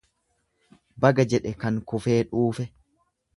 Baga jedhe kan kufee dhuufe.